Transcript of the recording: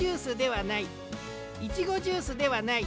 イチゴジュースではない。